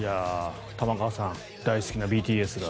玉川さん大好きなＢＴＳが。